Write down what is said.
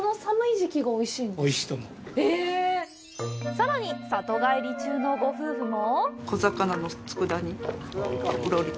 さらに里帰り中のご夫婦も。